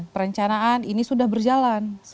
perencanaan ini sudah berjalan